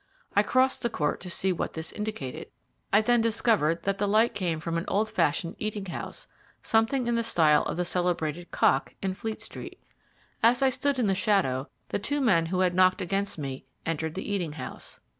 I crossed the court to see what this indicated. I then discovered that the light came from an old fashioned eating house, something in the style of the celebrated "Cock" in Fleet Street. As I stood in the shadow, the two men who had knocked against me entered the eating house.